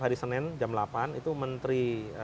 hari senin jam delapan itu menteri